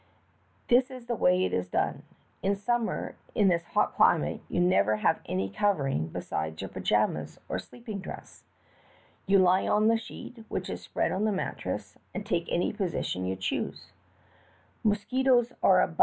"This is the way it is done. In summer in this hot elimate you never have any eovering besides your pajamas, or sleeping dress. You lie on the sheet, whieh is spread on the mattress, and take any position 3^ou ehoose. Mosquitoes are abun ORIENTAL THIEVES.